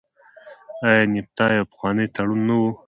آیا نفټا یو پخوانی تړون نه و؟